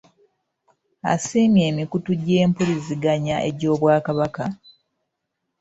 Asiimye emikutu gy'empuliziganya egy'Obwakabaka